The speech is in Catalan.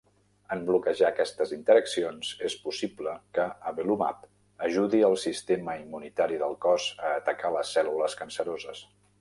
En bloquejar aquestes interaccions, és possible que avelumab ajudi al sistema immunitari del cos a atacar les cèl·lules canceroses.